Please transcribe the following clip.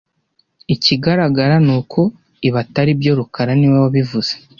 Ikigaragara ni uko ibi atari byo rukara niwe wabivuze